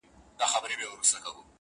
د خره مرگ د سپو اختر دئ.